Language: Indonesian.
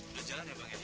udah jalan ya bang iya